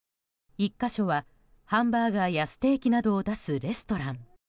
１か所はハンバーガーやステーキなどを出すレストラン。